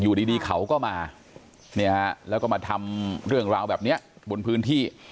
อยู่ดีเขาก็มาเนี่ยฮะแล้วก็มาทำเรื่องราวแบบนี้บนพื้นที่